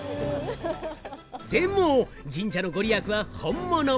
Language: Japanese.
でも、神社の御利益は本物。